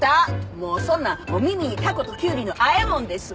もうそんなん耳にタコとキュウリのあえ物ですわ。